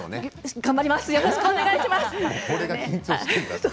頑張ります。